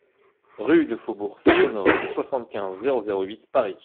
Rue du Faubourg Saint-Honoré, soixante-quinze, zéro zéro huit Paris